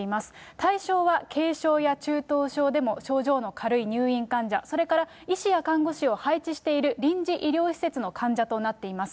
対象は軽症や中等症でも症状の軽い入院患者、それから医師や看護師を配置している臨時医療施設の患者となっています。